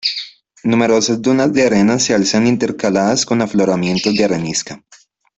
Numerosas dunas de arena se alzan, intercaladas con afloramientos de arenisca.